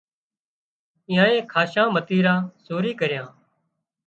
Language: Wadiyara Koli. اينئائي کاشان متيران سوري ڪريان